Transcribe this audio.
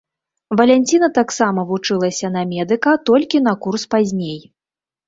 Валянціна таксама вучылася на медыка, толькі на курс пазней.